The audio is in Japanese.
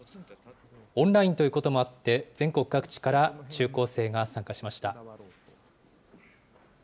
オンラインということもあって、全国各地から中高生が参加しました。